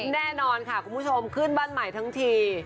แน่นอนค่ะคุณผู้ชมขึ้นบ้านใหม่ทั้งที